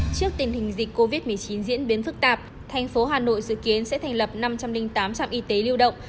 trước tình hình dịch covid một mươi chín diễn biến phức tạp thành phố hà nội dự kiến sẽ thành lập năm trăm linh tám trạm y tế lưu động